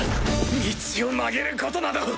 道を曲げることなどできない！